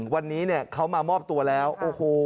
วันนี้เนี่ยเขามามอบตัวแล้วโอ้โห